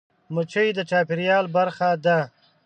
مچمچۍ د چاپېریال برخه ده